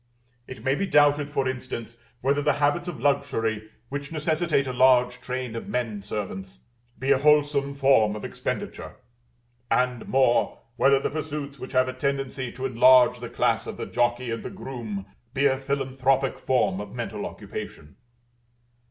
It may be doubted, for instance, whether the habits of luxury, which necessitate a large train of men servants, be a wholesome form of expenditure; and more, whether the pursuits which have a tendency to enlarge the class of the jockey and the groom be a philanthropic form of mental occupation.